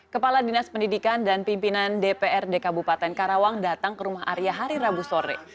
kepala dinas pendidikan dan pimpinan dprd kabupaten karawang datang ke rumah arya hari rabu sore